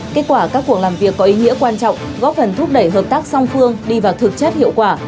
kết quả các cuộc làm việc có ý nghĩa quan trọng góp phần thúc đẩy hợp tác song phương đi vào thực chất hiệu quả